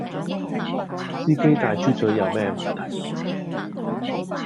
司機戴豬嘴又有咩問題?